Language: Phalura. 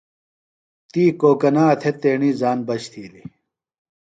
تی کوکنا تھےۡ تیݨی زان بچ تِھیلیۡ۔